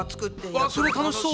わそれ楽しそう。